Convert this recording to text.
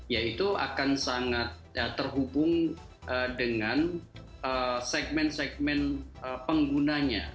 ya itu akan sangat terhubung dengan segmen segmen penggunanya